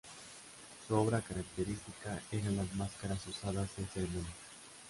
Su obra característica eran las máscaras usadas en ceremonias.